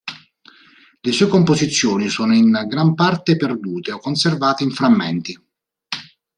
Le sue composizioni sono in gran parte perdute o conservate in frammenti.